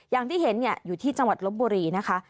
อย่างที่เห็นอยู่ที่จังหวัดลบบุรีนะคะ